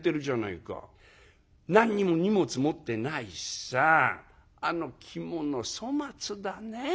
何にも荷物持ってないしさあの着物粗末だね。